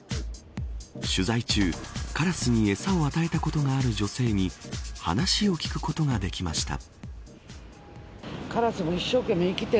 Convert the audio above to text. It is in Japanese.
取材中、カラスに餌を与えたことがある女性に話を聞くことができました。